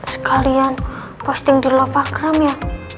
sekalian posting di lopagram ya